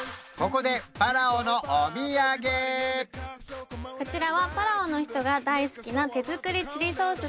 こちらはパラオの人が大好きな手作りチリソースです